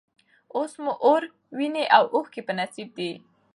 اوس مو اور، ویني او اوښکي په نصیب دي